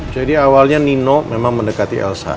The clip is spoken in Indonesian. jadi awalnya nino memang mendekati elsa